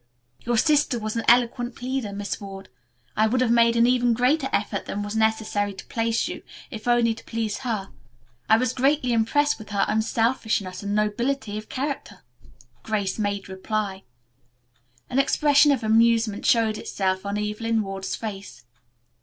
"Your sister was an eloquent pleader, Miss Ward. I would have made an even greater effort than was necessary to place you, if only to please her. I was greatly impressed with her unselfishness and nobility of character," Grace made reply. An expression of amusement showed itself on Evelyn Ward's face.